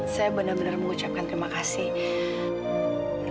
saya benar benar mengucapkan terima kasih